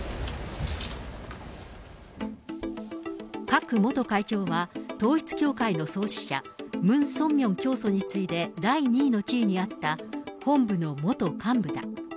クァク元会長は統一教会の創始者、ムン・ソンミョン教祖に次いで第２位の地位にあった本部の元幹部だ。